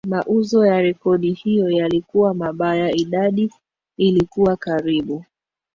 Mauzo ya rekodi hiyo yalikuwa mabaya idadi ilikuwa karibu